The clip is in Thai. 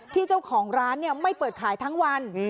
ที่เจ้าของร้านไม่เปิดขายทั้งวัน